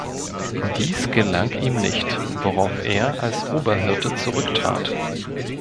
Dies gelang ihm nicht, worauf er als Oberhirte zurücktrat.